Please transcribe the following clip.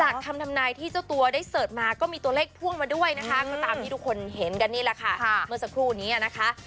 คำทำนายที่เจ้าตัวได้เสิร์ชมาก็มีตัวเลขพ่วงมาด้วยนะคะก็ตามที่ทุกคนเห็นกันนี่แหละค่ะเมื่อสักครู่นี้นะคะ